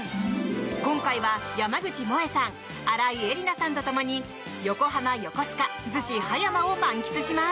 今回は、山口もえさん新井恵理那さんとともに横浜、横須賀、逗子・葉山を満喫します。